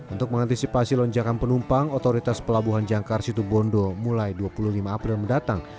untuk mengantisipasi lonjakan penumpang otoritas pelabuhan jangkar situbondo mulai dua puluh lima april mendatang